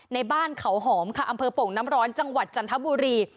ในบ้านเขาหอมค่ะอำเภอโป่งน้ำร้อนจังหวัดจันทบุรี